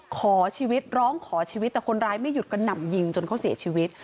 ขอชีวิตร้องขอชีวิตแต่คนร้ายไม่หยุดกระหน่ำยิงจนเขาเสียชีวิต